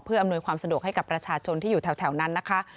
อำนวยความสะดวกให้กับประชาชนที่อยู่แถวนั้นนะคะ